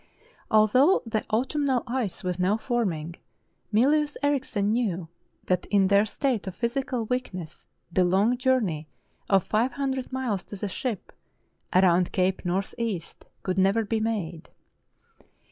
Although the autumnal ice was now forming, Mylius Erichsen knew that in their state of physical weakness the long journey of five hundred miles to the ship, around Cape North east, could never be made.